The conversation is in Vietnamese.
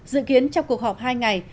dự kiến trong cuộc họp hai ngày